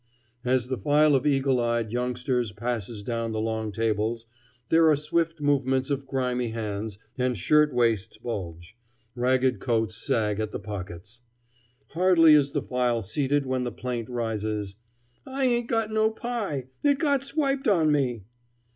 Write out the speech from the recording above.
As the file of eagle eyed youngsters passes down the long tables, there are swift movements of grimy hands, and shirt waists bulge, ragged coats sag at the pockets. Hardly is the file seated when the plaint rises: "I ain't got no pie! It got swiped on me."